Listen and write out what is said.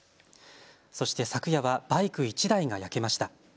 そして昨夜はバイク１台が焼けました。